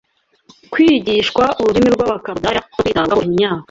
kwigishwa ururimi rw’Abakarudaya no kwitabwaho imyaka